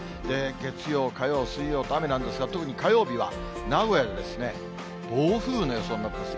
月曜、火曜、水曜と雨なんですが、特に火曜日は、名古屋で暴風の予想になってます。